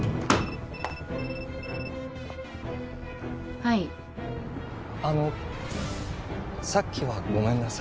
はいあのさっきはごめんなさ